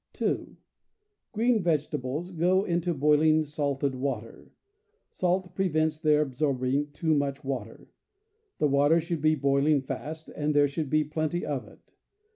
(2) Green vegetables go into boiling salted water. Salt prevents their absorbing too much water. The water should be boiling fast, and there should be plenty of it.